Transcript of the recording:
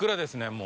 もう。